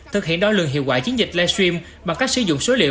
thực hiện đo lượng hiệu quả chiến dịch live stream bằng cách sử dụng số liệu